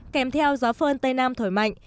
kèm theo gió phơn tây nam thổi mạnh